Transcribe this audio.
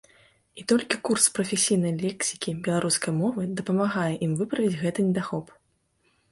І толькі курс прафесійнай лексікі беларускай мовы дапамагае ім выправіць гэты недахоп.